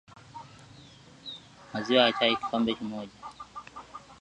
maziwa ya chai kikombe kimoja